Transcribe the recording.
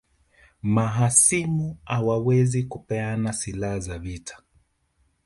Mahasimu hawawezi kupeana silaha za vita